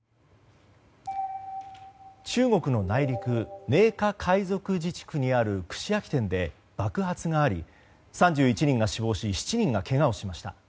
中国の内陸寧夏回族自治区にある串焼き店で爆発があり３１人が死亡し７人がけがをしました。